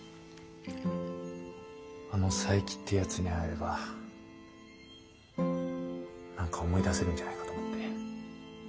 あの佐伯ってやつに会えれば何か思い出せるんじゃないかと思って。